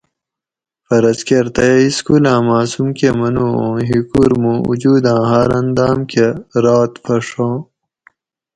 فرض کۤر تئ اۤ اِسکولاۤں ماۤسوم کۤہ منُو اُوں ھِکور مُوں اوجوداۤں ہاۤر انداۤم کۤہ رات پھڛاں